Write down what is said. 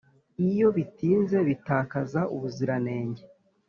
iyo bitinze bitakaza ubuziranenge.